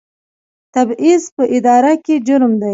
تبعیض په اداره کې جرم دی